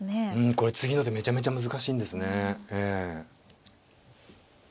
これ次の手めちゃめちゃ難しいんですねええ。